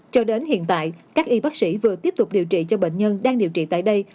cho đến hiện tại các y bác sĩ vừa tiếp tục điều trị cho bệnh nhân đang điều trị tại đây